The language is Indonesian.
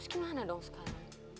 terus gimana dong sekarang